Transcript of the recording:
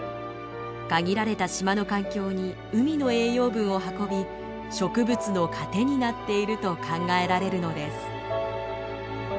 限られた島の環境に海の栄養分を運び植物の糧になっていると考えられるのです。